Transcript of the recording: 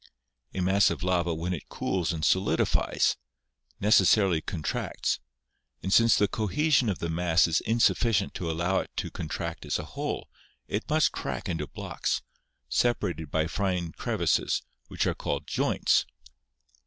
A mass of lava, when it cools and solidifies, necessarily contracts, and since the cohesion of the mass is insufficient to allow it to contract as a whole, it must crack into blocks, separated by fine crevices, which are called joints.